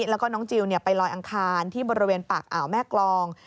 แล้วก็น้องจิลไปลอยอังคารที่บริเวณปากอ่าวแม่กรอง